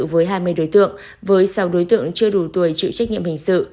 với hai mươi đối tượng với sáu đối tượng chưa đủ tuổi chịu trách nhiệm hình sự